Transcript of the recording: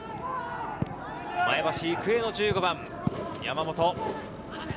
前橋育英の１５番・山本。